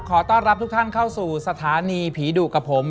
ขอต้อนรับทุกท่านเข้าสู่สถานีผีดุกับผม